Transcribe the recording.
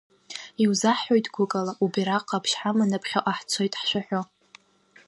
Иузаҳҳәоит гәыкала, убираҟ ҟаԥшь ҳаманы ԥхьаҟа ҳцоит ҳшәаҳәо!